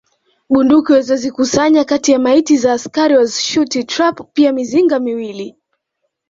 Bunduki walizozikusanya kati ya maiti za askari wa Schutztruppe pia mizinga miwili